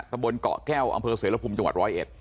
ตะบนเกาะแก้วอำเภอเสริฐภูมิจังหวัด๑๐๑